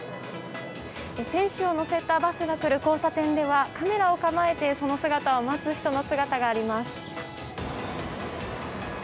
選手を乗せたバスが来る交差点ではカメラを構えてその姿を待つ人の姿があります。